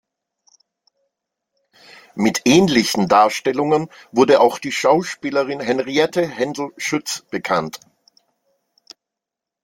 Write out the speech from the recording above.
Mit ähnlichen Darstellungen wurde auch die Schauspielerin Henriette Hendel-Schütz bekannt.